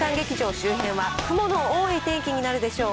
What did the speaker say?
周辺は、雲の多い天気になるでしょう。